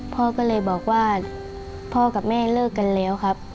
พ่อก็เลยบอกว่าพ่อกับแม่เลิกกันแล้วครับ